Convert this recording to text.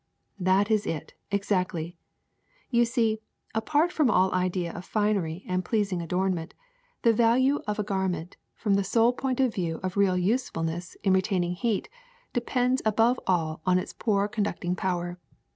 ''^' That is it, exactly. You see, apart from all idea of finery and pleasing adornment, the value of a gar 87 88 THE SECRET OF EVERYDAY THINGS ment from the sole point of view of real usefulness in retaining heat depends above all on its poor con ducting power.